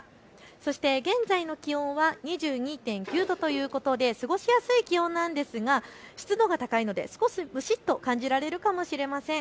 そして現在の気温は２２．９度ということで過ごしやすい気温なんですが湿度が高いので少し蒸しっと感じられるかもしれません。